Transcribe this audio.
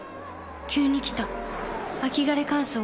急に来た秋枯れ乾燥。